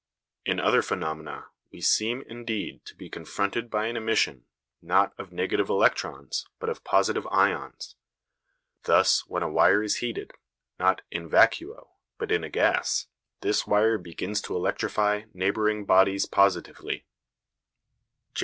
In other phenomena we seem indeed to be confronted by an emission, not of negative electrons, but of positive ions. Thus, when a wire is heated, not in vacuo, but in a gas, this wire begins to electrify neighbouring bodies positively.